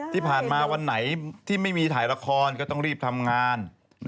ที่ผ่านมาวันไหนที่ไม่มีถ่ายละครก็ต้องรีบทำงาน